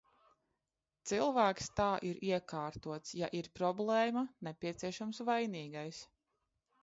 Cilvēks tā ir iekārtots – ja ir problēma, nepieciešams vainīgais.